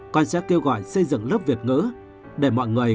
con sẽ kêu gọi xây dựng lớp việt ngữ